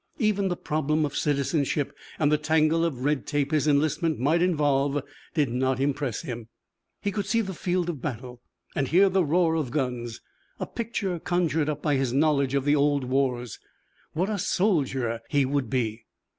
Even the problem of citizenship and the tangle of red tape his enlistment might involve did not impress him. He could see the field of battle and hear the roar of guns, a picture conjured up by his knowledge of the old wars. What a soldier he would be!